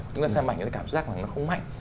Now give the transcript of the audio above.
chúng ta xem ảnh nó cảm giác không mạnh